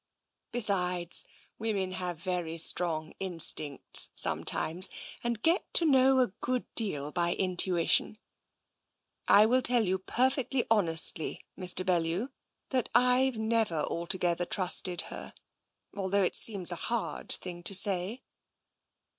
Besides, women have very strong instincts sometimes, and get to know a good deal by intuition. I will tell you perfectly honestly, Mr. Bellew, that I've never altogether trusted her, although it seems a hard thing to say."